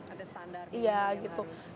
ada standar gitu yang harus